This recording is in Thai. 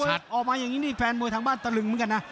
ผมว่าออกมาแบบนี้แฟนมวยทางบ้านตะลึงเหมือนกันนะ